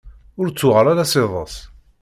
Ur ttuɣal ara s iḍes.